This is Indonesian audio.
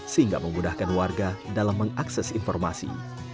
sehingga memudahkan warga dalam mengakses informasi